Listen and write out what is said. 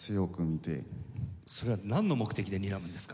それはなんの目的でにらむんですか？